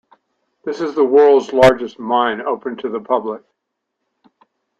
This is the world's largest mine open to the public.